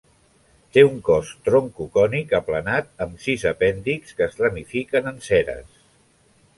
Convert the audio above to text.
Té un cos troncocònic aplanat amb sis apèndixs que es ramifiquen en ceres.